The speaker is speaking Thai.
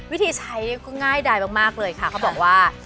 วิธีใช้ได้ง่ายมากครับว่า